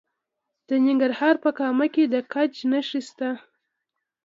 د ننګرهار په کامه کې د ګچ نښې شته.